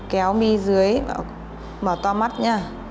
kéo mi dưới mở to mắt nha